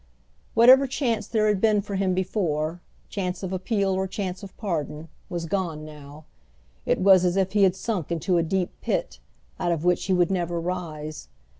Whatever chance there had been for him before, chance of appeal or chance of pardon, was gone now. It was as if he had sunk into a deep pit, out of which he would never rise.